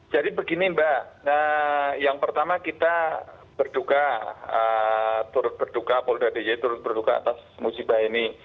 jadi begini mbak yang pertama kita berduka turut berduka poludaddy turut berduka atas musibah ini